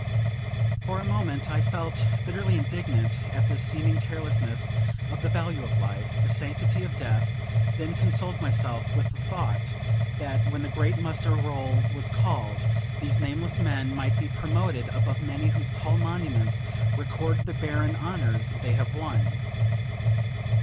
For a moment I felt bitterly indignant at this seeming carelessness of the value of life, the sanctity of death; then consoled myself with the thought that, when the great muster roll was called, these nameless men might be promoted above many whose tall monuments record the barren honors they have won.